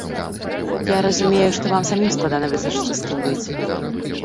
Я разумею, што вам самім складана вызначыцца, з кім быць.